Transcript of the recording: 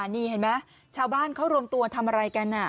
นี่เห็นไหมชาวบ้านเขารวมตัวทำอะไรกัน